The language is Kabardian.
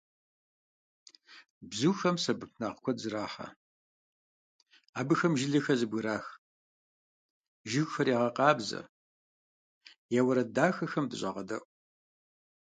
Бзухэм сэбэпынагъ куэд зэрахьэ. Абыхэм жылэхэр зэбгырах, жыгхэр ягъэкъабзэ, я уэрэд дахэхэм дыщӀагъэдэӀу.